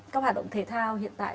các hạt động thể thao hiện tại